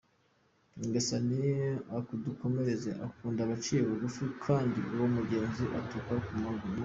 nyagasani akudukomereze ukunda abaciye bugufi kandi uwo mugenzo uturuka ku mana.